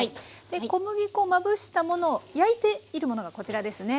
で小麦粉まぶしたものを焼いているものがこちらですね。